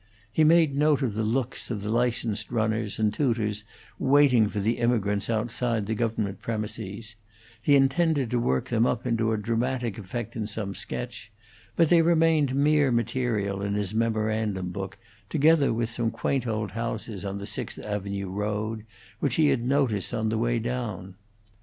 He made note of the looks of the licensed runners and touters waiting for the immigrants outside the government premises; he intended to work them up into a dramatic effect in some sketch, but they remained mere material in his memorandum book, together with some quaint old houses on the Sixth Avenue road, which he had noticed on the way down.